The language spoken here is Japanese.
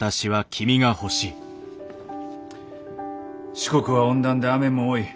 四国は温暖で雨も多い。